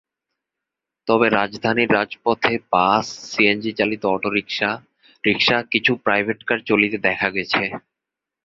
তবে রাজধানীর রাজপথে বাস, সিএনজিচালিত অটোরিকশা, রিকশা, কিছু প্রাইভেটকার চলতে দেখা গেছে।